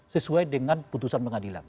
sesuai dengan keputusan pengadilan